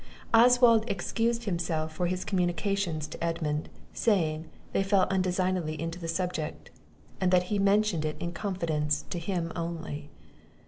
Oswald excused himself for his communications to Edmund, saying, they fell undesignedly into the subject, and that he mentioned it in confidence to him only.